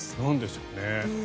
なんでしょうね。